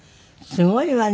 すごいわね。